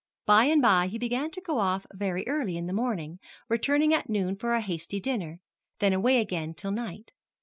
By and by he began to go off very early in the morning, returning at noon for a hasty dinner, then away again till night.